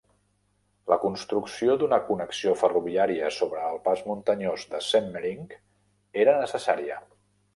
La construcció d'una connexió ferroviària sobre el pas muntanyós de Semmering era necessària.